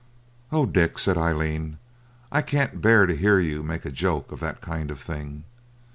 'Oh, Dick!' said Aileen, 'I can't bear to hear you make a joke of that kind of thing.